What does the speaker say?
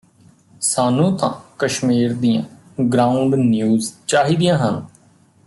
ਸਾਨੂੰ ਤਾਂ ਕਸ਼ਮੀਰ ਦੀਆਂ ਗਰਾਊਂਡ ਨਿਊਜ਼ ਚਾਹੀਦੀਆਂ ਹਨ